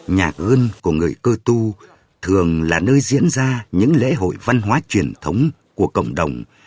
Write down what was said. nhạc ơn của người cơ tu thường là nơi diễn ra những lễ hội văn hóa truyền thống của cộng đồng